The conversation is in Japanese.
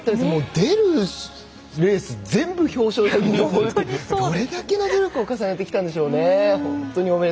出るレース全部表彰台にのぼってどれだけの努力を重ねてきたんでしょうね。